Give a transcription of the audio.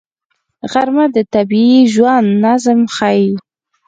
غرمه د طبیعي ژوند نظم ښيي